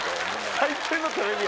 最低のテレビや。